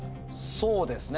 そうですね。